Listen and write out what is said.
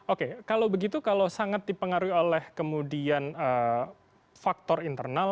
oke kalau begitu kalau sangat dipengaruhi oleh kemudian faktor internal